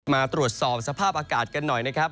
มาตรวจสอบสภาพอากาศกันหน่อยนะครับ